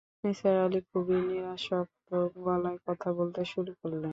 নিসার আলি খুবই নিরাসক্ত গলায় কথা বলতে শুরু করলেন।